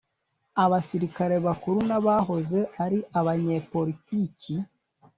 abasirikari bakuru n'abahoze ari abanyepolitiki